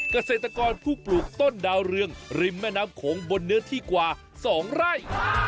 เกษตรกรผู้ปลูกต้นดาวเรืองริมแม่น้ำโขงบนเนื้อที่กว่า๒ไร่